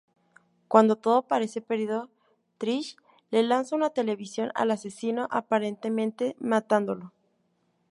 Cuando todo parece perdido, Trish le lanza una televisión al asesino, aparentemente matándolo.